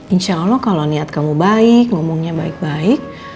insya allah kalau niat kamu baik ngomongnya baik baik